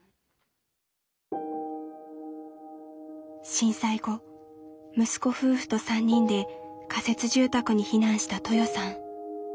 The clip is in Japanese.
震災後息子夫婦と３人で仮設住宅に避難したトヨさん。